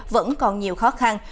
vẫn còn nhiều khó khăn